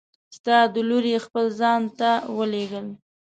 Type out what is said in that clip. ستا د لورې خپل ځان ته ولیږل!